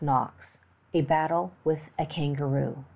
• 9 A BATTLE WITH A KANGAROO.